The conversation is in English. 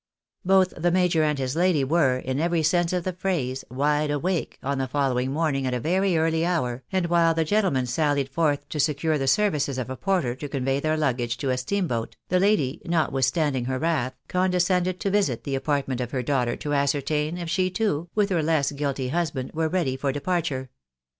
Both the major and his lady were, in every sense of the phrase, wide awake on the following morning at a very early hour, and while the gentleman sallied forth to secure the services of a porter to convey their luggage to the steamboat, the lady, notwithstand ing her wrath, condescended to visit the apartment of her daughter to ascertain if she too, with her less guilty husband, were ready for departure.